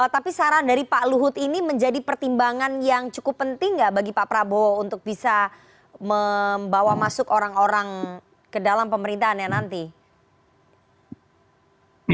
tapi saran dari pak luhut ini menjadi pertimbangan yang cukup penting nggak bagi pak prabowo untuk bisa membawa masuk orang orang ke dalam pemerintahannya nanti